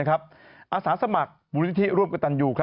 อาสาสมัครมูลนิธิร่วมกับตันยู